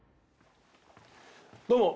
どうも。